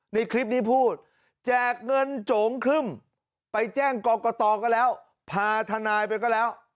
ในคลิปนี้พูดแจกเงินโจ๋งครึ่มไปแจ้งกรกตก็แล้วพาทนายไปก็แล้ว